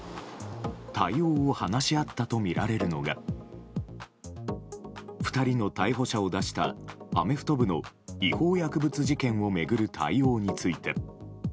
対応を話し合ったとみられるのが２人の逮捕者を出したアメフト部の違法薬物事件を巡る対応について。